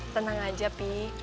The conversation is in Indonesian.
tenang aja fi